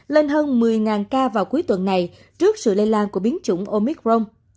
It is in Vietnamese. lên hơn một mươi ca vào cuối tuần này trước sự lây lan của biến chủng omicron